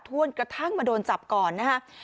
ท่วนกระทั่งมาโดนจับก่อนนะฮะ